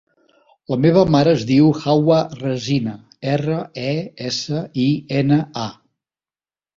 La meva mare es diu Hawa Resina: erra, e, essa, i, ena, a.